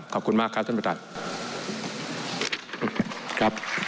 ขอบคุณมากครับท่านประธาจ